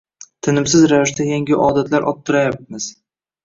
Tinimsiz ravishda yangi odatlar orttirayapmiz.